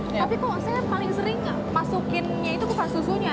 tapi kok saya paling sering masukinnya itu bukan susunya